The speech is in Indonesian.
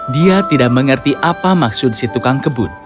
dia tidak mengerti apa maksud si tukang kebun